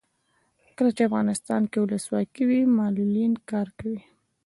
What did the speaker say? کله چې افغانستان کې ولسواکي وي معلولین کار کوي.